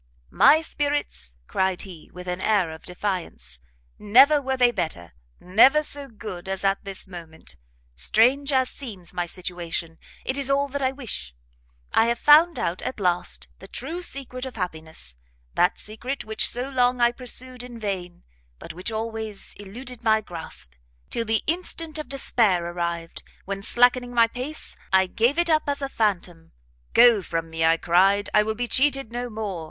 "My spirits!" cried he, with an air of defiance, "never were they better, never so good as at this moment. Strange as seems my situation, it is all that I wish; I have found out, at last, the true secret of happiness! that secret which so long I pursued in vain, but which always eluded my grasp, till the instant of despair arrived, when, slackening my pace, I gave it up as a phantom. Go from me, I cried, I will be cheated no more!